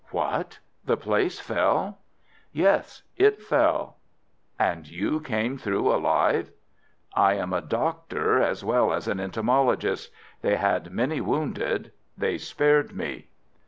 "What! the place fell?" "Yes, it fell." "And you came through alive?" "I am a doctor as well as an entomologist. They had many wounded; they spared me."